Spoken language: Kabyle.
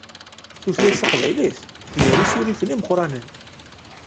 Tutlayt taqbaylit tger isurifen imeqqranen.